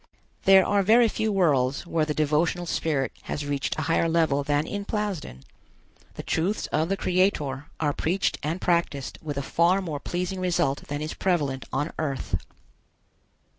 There are very few worlds where the devotional spirit has reached a higher level than in Plasden. The truths of the Creator are preached and practised with a far more pleasing result than is prevalent on Earth.